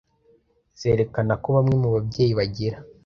zerekana ko bamwe mu babyeyi bagira